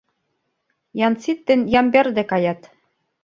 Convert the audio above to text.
Янсит ден Ямберде каят.